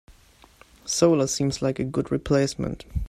Solar seems like a good replacement.